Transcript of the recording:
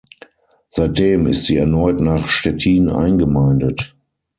Seitdem ist sie erneut nach Stettin eingemeindet.